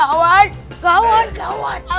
hanya sebuah perjalanan yang ditutupi pelik